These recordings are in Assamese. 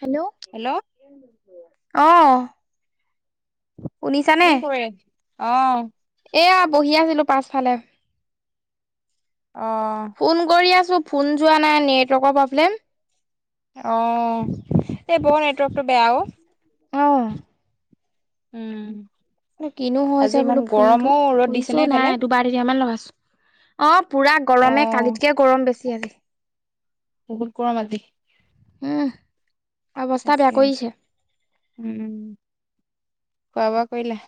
হেল্ল' হেল্ল' আহ। কি শুনিছানে? কৰে অ এয়া বহি আছিলো। ালে অ ফোন কৰি [inaudible] ফোন যোৱা নাই নেটৱৰ্কৰ প্ৰব্লেম। অ এই বৰ নেটৱৰ্ক টো বেয়া অ'। উম। কিনো হৈ আজি হৈছে ইমান বোলো ফোনটো গৰমো ৰ'দ দিছে নে কৰিছো এইফালে নাই দুবাৰ তিনিবাৰ মান লগাইছো। অ পুৰা অ গৰমে কালিতকে গৰম বেছি আজি। বহুত কৰম আজি। উম। অৱস্থা বেয়া তাকে, কৰি দিছে। উম। খোৱা - বোৱা কৰিলা?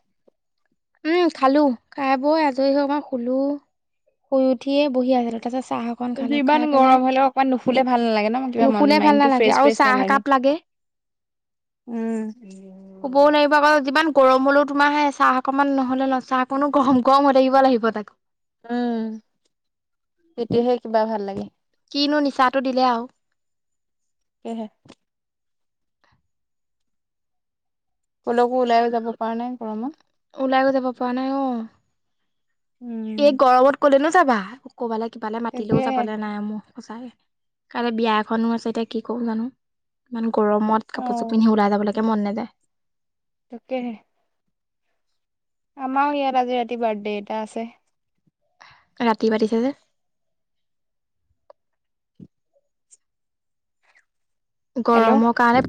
উম খালো খাই বই আজৰি হৈ আকমাৰ শুলো শুই উঠিয়ে বহি আছিলো তাৰাত চাহ অকন আজি খালো ইমান খাই পেলাই গৰম হ'লেও অকমান নুশুলে ভাল নালাগে ন কিবা মন নকে ভাল মাইণ্ডটো নালাগে ফ্ৰেছ আৰু ফ্ৰেছ চাহ নালাগে একাপ লাগে। উম শুবও নোৱাৰিব আকৌ যিমান গৰম হ'লেও তোমাৰ আহে চাহ অকণমান নহ'লে ন চাহ অকণো গৰম গৰম হৈ থাকিব লাগিব তাকো। উম তেতিয়াহে কিবা ভাল লাগে। কিনো নিচাটো দিলে আৰু। কেহে ক'লৈকো ওলাই যাব পৰা নাই গৰমত? ওলাই যাব পৰা নাই অ, উম এই গৰমত কলে নো যাবা? অ ক'ৰবালে, কিবালে মাতিলেও তাকেহে যাবলে নাই মোৰ সঁচাকে। কাইলে বিয়া এখনো আছে এতিয়া কি কম জানো? মানু গৰমত অ কাপোৰযোৰ পিন্ধি ওলাই যাব লাগে মন নেযায়। আমাৰ ইয়াৰ আজি ৰাতি বাৰ্থডে এটা আছে। ৰাতি পাতিছে যে। হেল্ল' গৰমৰ কাৰণে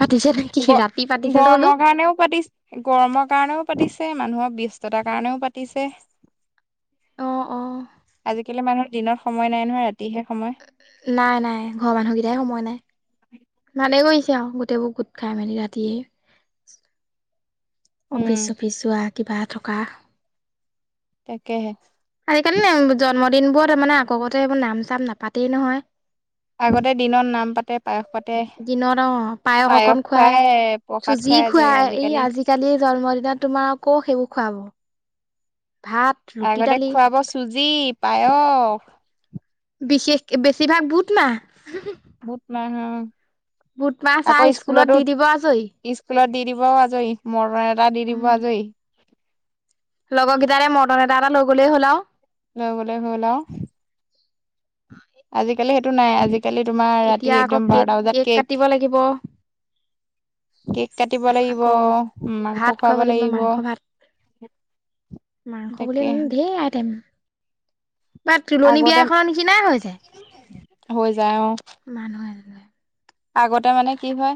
পাতিছে নে কি ৰাতি পাতিছে যে বোলো গৰমৰ কাৰণেও পাতিছ, গৰমৰ কাৰণেও পাতিছে মানুহৰ ব্যস্ততাৰ কাৰণেও পাতিছে, অ অ আজিকালি মানুহৰ দিনত সময় নাই নহয়। ৰাতিহে সময় নাই নাই, ঘৰৰ মানুহকেইটাই সময় নাই। ভালে কৰিছে আৰু গোটেইবোৰ গোট খাই মেলি ৰাতিয়ে। অফিচ উম - চফিচ যোৱা, কিবা থকা। তাকেহে। আজিকালি নে জন্মদিনবোৰ তাৰ মানে আগকতেবোৰ নাম - চাম নাপাতেই নহয়। আগতে দিনত নাম পাতে, পায়স পাতে, দিনত অ পায়স খুৱাই প্ৰসাদ যি খুৱাই আজৰি খোৱাই এই আজিকালি জন্মদিনত তোমাৰ আকৌ সেইবোৰ খুৱাব ভাত ৰুটি আগতে দালি খুৱাব চুজি, পায়স বিশেষ বেছিভাগ বুত মাহ। বুত মাহ হা। বুত মাহ চাহ স্কুলত দি দিব আচো স্কুলত দি দিবও আজৰি মৰম এটা দি দিব আজৰি লগৰকেইটাৰে মদন এটা এটা লৈ গ'লেই হ'ল আৰু ল হলে হলা আজিকালি সেইটো নাই আজিকালি তোমাৰ ৰাতি এতিয়া আকৌ একদম কেক বাৰটা বজাত কেক কাটিব লাগিব কেক কাটিব লাগিব আকৌ মাংস ভাত খুৱাব লাগিব মাংস ভাত মাংস বুলি তাকে ধেৰ আই াইম বা তুলনিী আগতে বিয়াখন চিনাই হৈ যায় হৈ যায় অ মানুহে কয় আগতে মানে কি হয়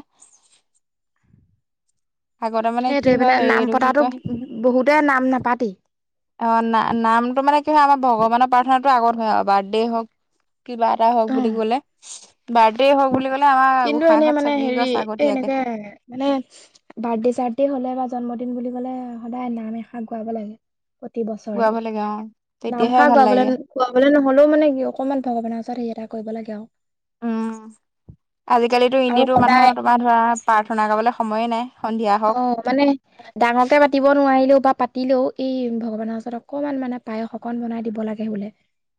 আগতে মানে কি সেইটোৱে হয় হেৰি নাম এইটো কি পতাটো কয় বহুতে নাম নাপাতেই অ নাম নামটো মানে কি হয় আমাৰ ভগৱানৰ পাৰ্থনাটো আগত হয় বাৰ্থডে হওক কিবা এটা হওক বুলি অ ক'লে বাৰ্থডে হওক বুলি কলে আমাৰ কিন্তু গোসাই এনেই ঘৰত মানে চাকি হেৰি গছ এই আগতীয়াকে দি ৰাতি হ'লে বা জন্মদিন বুলি ক'লে সদায় নাম এষা গুৱাব লাগে প্ৰতি বছৰে গোৱাব লাগে অ, নাম তেতিয়াহে খা ভাল লাগে গোৱাবলৈ গোৱাবলৈ নহ'লেও মানে কি অকমান ভগৱানৰ ও তাৰিছত সেই এটা কৰিব লাগে আৰু উম আজিকালিতো আৰু এনেইতো সদায় মানুহৰ তোমাৰ ধৰা প্ৰাৰ্থনা গাবলৈ সময়ে নাই সন্ধিয়া অ হওক মানে ডাঙৰকে পাতিব নোৱাৰিলেও বাা পাতিলেও এই ভগৱানৰ ওচৰত অকনমান মানে পায় শকন বনাই দিব লাগে বোলে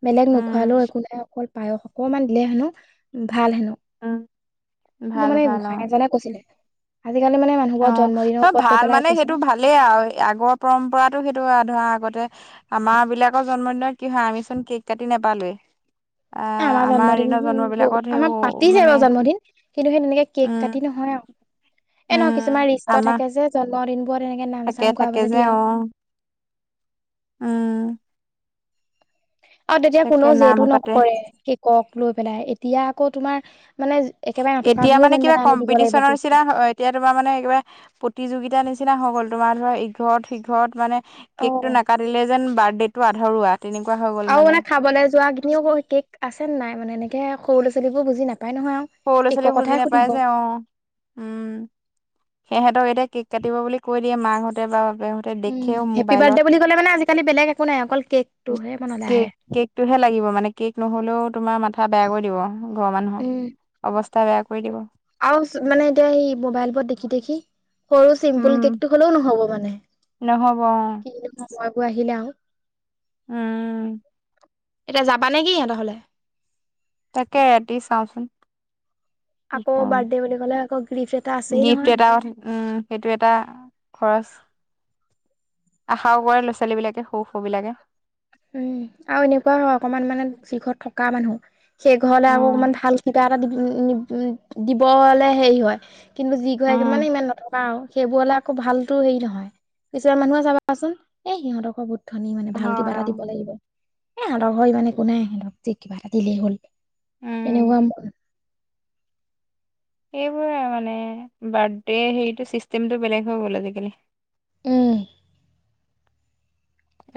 বেলেগ উম, নোখোৱালেও একো নাই অকল পায়স অকনমান দিলে হেনো ভাল হেনো মোৰ মানে ভাল-ভাল গোসাই অ, এজনে উম, কৈছিলে আজিকালি মানে মানুহবোৰৰ জন্মদিনৰ অ ওপৰত লৈ ভাল পেলাই মানে কৈছে। সেইটো ভালেই আৰু আগৰ পৰম্পৰাতটো সেইটো আৰু ধৰা আগতে আমাৰ বিলাকৰ জন্মদিনৰ কি হয় আমি চোন কেক কাটি নোপালোৱেই আহ আমাৰ জন্মদিন দিনৰ জন্ম ব বিলাকত আমাৰ সেইবোৰ পাতিছে মানে আৰু জন্মদিন কিন্তু সেই তেনেকে কেক উম কাটি নহয় আৰু এ নহ উম কিছুমান ৰিষ্ট আমাৰ থাকে যে জন্মদিনবোৰ এনেকে নাম থাকে চাম থাকে গোৱাবলৈ যে দিয়া অ আৰুও উম আৰু তেতিয়া তাকে কোনেও নাম যহেতটো পাতে নকৰে শিকক লৈ পেলাই এতিয়া আকৌ তোমাৰ মানে একেবাৰে নথকা এতিয়া ঘৰেও মানে যেন কিবা তেনে আনি দিব লাগিব কম্পিটিশনৰ কেকটো নিচিনা এতিয়া তোমাৰ মানে কিবা প্ৰতিযোগিতাৰ নিচিনা হৈ গ'ল তোমাৰ ধ ইঘৰত সিঘৰত মানে অ কেক টো নাকাটিলে যেন বাৰ্থডে টো আধৰুৱা তেনেকুৱা হৈ গ'ল আৰু মানে খাবলৈ যোৱা কিনিও কেক আছে নাই মানে এনেকে সৰু ল'ৰা ছোৱালীবোৰ বুজি নাো সৰু ল'ৰা ছোৱালী বুজি নাপায় যে অ উম সিহতক এতিয়া কেক কাটিব বুলি কৈ দিয়ে মাক হঁতে বা তে উম দেখেও হেপী মোবাইলত বাৰ্থডে বুলি ক'লে মানে আজিকালি বেলেগ একো নাই অকল কেকটোহে মনলৈ আহে কেকটোহে লাগিব মানে কেক নহলেও তোমাৰ মাথা বেয়া কৰি দিব ঘৰৰ মানুহৰ উম অৱস্থা বেয়া কৰি দিব আৰু মানে এতিয়া স মোবাইল ৰত দেখি দেখি সৰু চিম্পুল উম কেকটো হ'লেও নহ'ব মানে নহ'ব মই বোৰ আহিলে আহ উম এতিয়া যাবা নেকি সিহঁত হলে তাকে এটি চাওচোন আকৌ বাৰ্থডে বুলি ক'লে আকৌ গিফ্ট এটা আছেই গিফ্ট নহয় এটা কথা উম সেইটো এটা খৰচ আশাও কৰে ল'ৰা ছোৱালী বিলাকে সৰু সৰু বিলাকে উম আৰু এনেকুৱা হয় অকমান মানে যিঘৰত থকা মানুহ সেই ঘৰলে আকৌ উম অকমান ভাল কিবা এটা দিব হলে হেৰি হয় কিন্তুি ঘে উম মানে ইমান নথকা আৰু সেইবোৰলে আকৌ ভালতো হেৰি নহয় পিছ মানুহে চাবাচোন এ সহতক বু ধন মানে ভাল হয় কিবাটাতি এ লগৰ ইমান একো নাই সিক যে কিবা এটা দিলেই হ'ল উম তেনেকুৱা ম এইেইবোৰে মানে বাৰ্থডে হেৰিটো চিষ্টেমটো বেলেগ হৈ গ'ল আজিকালি উম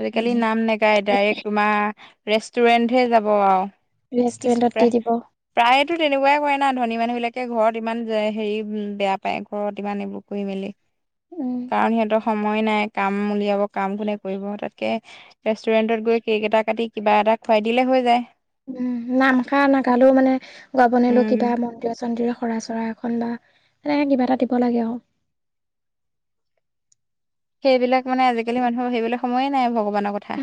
আজিকালি বেলেগ নাম নাগায় ডাইৰেক্ট তোমাৰ ৰেষ্টুৰেণ্টহে যাব আৱ কি [unintelligible] ৰেষ্টুৰেণ্টত দি প্ৰায় দিব প্ৰায় [unintelligible] তেনেকুৱাই কৰে না ধনী মানুহ বিলাকে ঘৰত ইমান হেৰি বেয়া পায় ঘৰত ইমান এইবোৰ কৰি মেলি উম কাৰণ সিহঁতৰ সময় নাই কাম উলিয়াব কাম কোনে কৰিব তাতকে ৰেষ্টুৰেণ্টত গৈ কেক এটা কাটি কিবা এটা খুৱাই দিলে হৈ যায় উম নাম খা নাগালেও মানে গাব নোৱাৰিলো উম কিবা মন্দিৰ-চন্দিৰ শৰাই চৰাই বা এনেকে কিবা এটা দিব লাগে আহ সেইবিলাক মানে আজিকালি মানুহ সেইবাক সময় নাই ভগৱান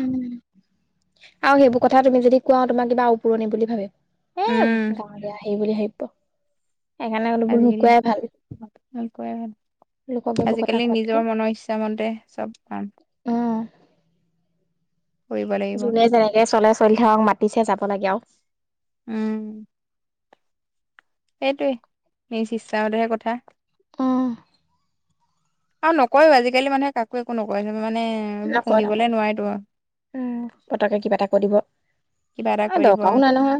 উ আৰু সেইবোৰ কথা তুমি যদি কোৱা তোমাক কিবা আপুৰণি বুলি ভাবেিম এ উম গাঁৱ দিয় আহি বুলি ভাবিব সেইকাৰণে অলপবোৰ নোকোৱাই ভাল [unintelligible] লোকক এইবোৰ কথা আজিকালি কোৱাতকে নিজৰ মনৰ ইচ্ছামতে চব পান অ লাগিব যোনে যেনেকে চলে চলি থাকক মাতিছে যাব লাগে আও উম সেইটোৱে নিজ ইচ্ছাৰতহে কথা উম আৰু নকয়ও আজিকালি মানুহে কাকো একো নকয় জ মানে এইবোৰ নকয় শুনিবলে নকয় নোৱাৰি তো উম পতককে কিবা এটা কৈ দিব কিবা এটা অ কৰি দিব দৰকাৰও নাই নহয়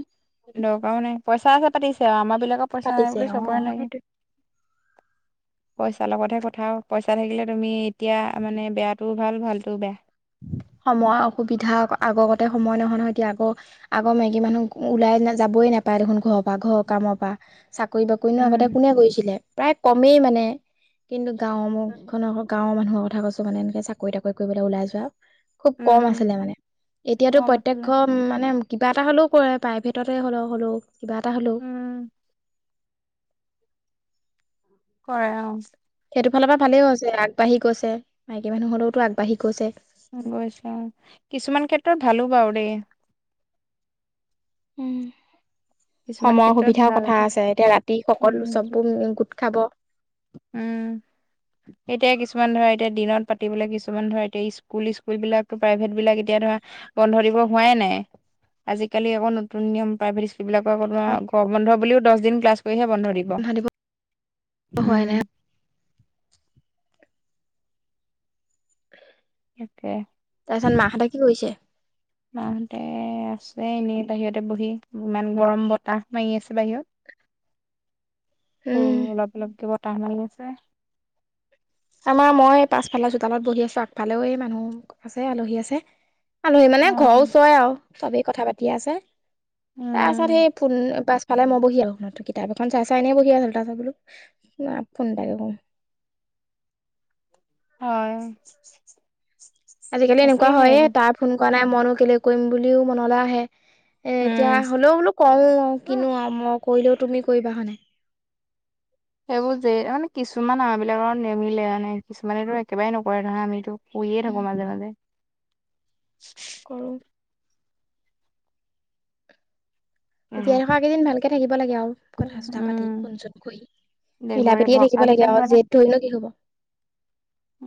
দৰকাৰও নাই পইচা আছে পাতিছে আৰু আমাৰ বিলাকৰ পইচা নাই পাতিছে বুলি অ চবৰে নাই সেইটোৱে হয় তাৰ লগতহে কথাও পইচা থাকিলে তুমি এতিয়া মানে বেয়াটোও ভাল ভালতোও বেয়া, সময় অসুবিধা আগতে সময় নহয় নহয় এতিয়া আগৰ আগৰ মেকী মানুহ ওলাই নাযাব, গৈ নাপায় দেখোন ঘৰৰ পৰা ঘৰ কামৰ পৰা চাকৰি বাকৰি নো আগতে উম কোনে কৰিছিলে,, প্ৰায় কমেই মানে, কিন্তু গাঁও খনৰ গাঁৱৰ মানুহৰ কথা কৈছো মানে এনেকে চাকৰি তাকৰি কৰিবলৈ ওলাই যোৱা খুব কম উম আছিলে মানে এতিয়াতো কম প্ৰত্যক্ষ আছিলে মানে কিবা এটা হ'লেও কৰে প্ৰাইভেটতে হলেও হ'লেও কিবা এটা হ'লেও উম কৰে অ সেইটো ফালৰ পৰা ভালেইও হৈছে আগবাঢ়ি গৈছে মাইকী মানুহ হ'লেও তো আগাঢ়ি গৈছে কিছুমান ক্ষেত্ৰত ভালো বাও দেই। উম কিছুমান সময়ৰ ক্ষেত্ৰত সুবিধাৰ ভাল কথা আছে এতিয়া ৰাতি সকলো উম চববোৰ গোট খাব। উম এতিয়া কিছুমান ধৰা। এতিয়া দিনত পাতিবলে কিছুমান ধৰা এতিয়া স্কুল স্কুল বিলাকো প্ৰাইভেট বিলাক এতিয়া ধৰা বন্ধ দিব হোৱাই নাই। আজিকালি আকৌ নতুন নিয়ম প্ৰাইভেট স্কুল বিলাকত গৰম বন্ধ বুলিও দোষ দিন ক্লাছ কৰিহে বন্ধ দিব হোৱাই উম। নাই। অে ন দে তাৰপিছত [unintelligible] মাহঁতে কি কৰিছে? এ আছে এনেই বাহিৰতে বহি ইমান গৰম বতাহ মঙি আছে বাহিৰত। [inaudible] অ উম, অলপ অলপ দিব টান [unintelligible] আমাৰ মই পাছফালা চোতালত বহি আছোঁ আগফালেও মানুহ আছে আলহী আছে। আলহী অ মানে ঘৰৰ ওচৰৰে আৰু, চবেই কথা পাতি আছে। তাৰছত উম সেই ফুন পাঁচ ফালে মই বহি আহো কিতাপ এখন চাই চাই এনে বহি আছিলোঁ তাছত বোলোঁ না ফোন এটাকে কওং [inaudible] হয় আজিকালি এনেকুৱা তাকেহে হয়য়ে এইবোৰ তাই ফোন কৰা নাই মইনো কেলে কৰিম বুলিও মনলে আহে। এ এতিয়া উম হ'লেও বোলো কও কিনো আৰু মই কৰিলেও তুমি কৰিবা হয় নাই? সেইবোৰ যে মানে কিছুমান আমাৰ বিলাকৰ নেমিলে মানে কিছুমানেতো একেবাৰে নকৰে ধৰা আমিতো কইয়ে উম, থাকো মাজে মাজে। কৰোঁ জীয়াই উম থকা কেইদিন ভালকে থাকিব লাগে আও কথা চথা পাতি ফোন চোন কৰি। দেঘৰে মিলাপীতিকে ভ থাকিব লাগে আজিকালি আও মানে জেদ ধৰিনো কি হব।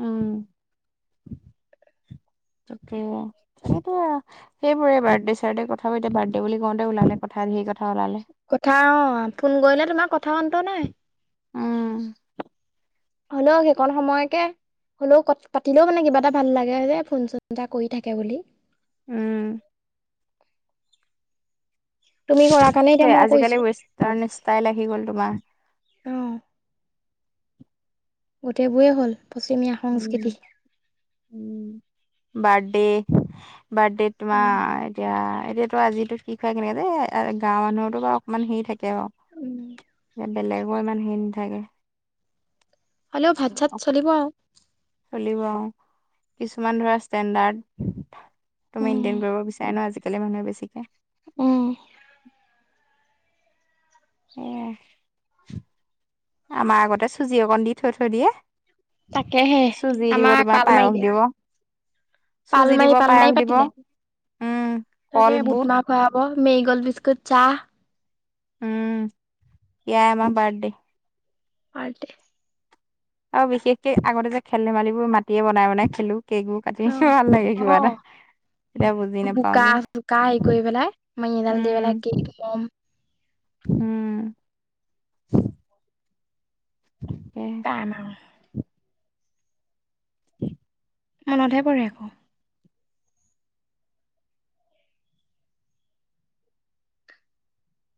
উম [inaudible] তাকে সেইটোৱে আৰু সেইবোৰে বাৰ্থডে চাদডে কথাব এতিয়া বাৰ্থডে বুলি কওঁতে ওলালে কথা ধেই কথা ওলালে কথা অ ফোন কৰিলে তোমাৰ কথা অন্ত নাই উম হলও সেইকণ সময়কে হ'লও কথা পাতিলেও মানে কিবা এটা ভাল লাগে ৰে ফোন চোন এটা কৰি থাকে বুলি। উম তুমি কৰা কাৰণে এতিয়া মই কৰিছো আজিকালি ৱেষ্টাৰ্ণ ইষ্টাইল আহি গ'ল তোমাৰ। গোটেইবোৱে হ'ল পশ্চিমীয়া উম সংস্কৃতি উম বাৰ্ড ডে বাৰ্থডে তোমা উম এতিয়া এতিয়াতো আজিতো [unintelligible] কেনেকে যে গাঁৱৰ মানুহৰতো বোৰ অকণমান হেৰি থাকে আৰু। উম, বেলেগৰ ইমান হেৰি নাথাকে। হ'লেও ভাত চাত চলিব আৰু। চলিব আৰু কিছুমান ধৰা ষ্টেণ্ডাৰ্ড ত উম মেইনটেইন কৰিব বিচাৰে ন আজ [unintelligible] মানহে বেছিকে। উম এ আমাৰ আগতে চুজি অকণ দি থৈ থৈ দিয়ে। তাকেহে চুজি দিব আমাৰ তোমাৰ পাল মাৰিলে পায়স দিব। পাল চুজি দিব মাৰি পাল পায়স মাৰি দিব পাতিলে উম কল তাকে বুট বুটমাহ খোৱা হব। মেৰিগল বিস্কুট চা। উম এইয়া আমাৰ বাৰ্ডে। বাৰ্ডে আৰু বিশেষকে আগতে যে খেল ধেমালিবোৰ মাটিয়ে বনাই বনাই খেলো। কেক কাটি অ ভাল লাগে অ কিবা এটা। এতিয়া বুজি নাপাও বোকা যে চোকা হেৰি কৰি পেলাই [unintelligible] এডাল দি পেলাই কি কম। উম, উম [unintelligible] [unintelligible] মনতহে পৰে আকৌ